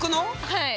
はい。